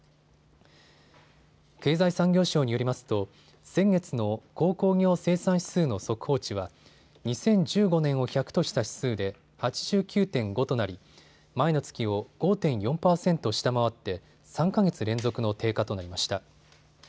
経済産業省によりますと先月の鉱工業生産指数の速報値は２０１５年を１００とした指数で８９．５となり前の月を５．４％下回って３か月連続の低下となりました。